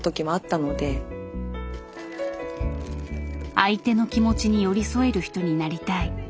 相手の気持ちに寄り添える人になりたい。